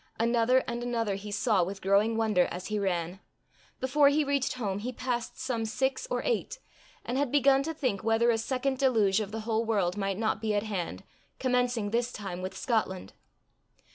Another and another he saw, with growing wonder, as he ran; before he reached home he passed some six or eight, and had begun to think whether a second deluge of the whole world might not be at hand, commencing this time with Scotland.